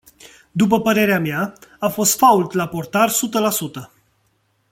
După părerea mea, a fost fault la portar sută la sută.